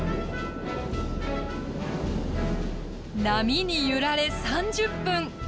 波に揺られ３０分。